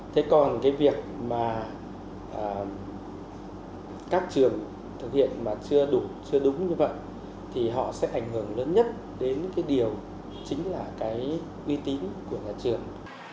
thế còn cái việc mà các trường thực hiện mà chưa đủ chưa đúng như vậy thì họ sẽ ảnh hưởng lớn nhất đến cái điều chính là cái uy tín của nhà trường